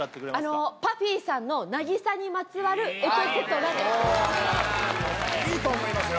あのＰＵＦＦＹさんの「渚にまつわるエトセトラ」でおおいいと思いますよ